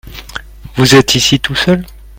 Vous êtes ici tout seul ?